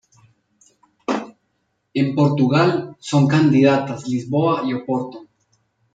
En Portugal son candidatas Lisboa y Oporto.